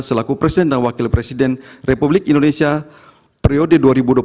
selaku presiden dan wakil presiden republik indonesia periode dua ribu dua puluh empat dua ribu dua puluh sembilan